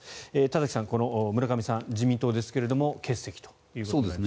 田崎さん、この村上さん自民党ですが欠席ということです。